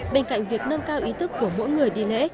bên cạnh việc nâng cao ý thức của mỗi người đi lễ